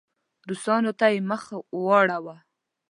روسانو ته یې مخ واړاوه.